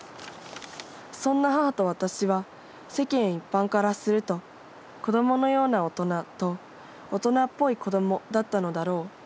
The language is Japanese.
そんな母と私は世間一般からすると『子供のような大人』と『大人っぽい子供』だったのだろう。